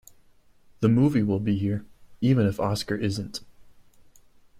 The movie will be here, even if Oscar isn't.